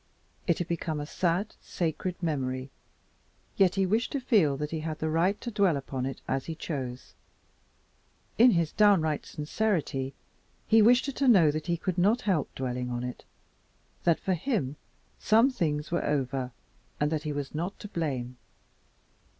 It had become a sad and sacred memory, yet he wished to feel that he had the right to dwell upon it as he chose. In his downright sincerity he wished her to know that he could not help dwelling on it; that for him some things were over, and that he was not to blame.